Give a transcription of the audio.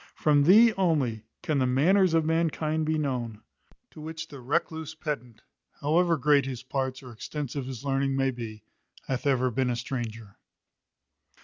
From thee only can the manners of mankind be known; to which the recluse pedant, however great his parts or extensive his learning may be, hath ever been a stranger.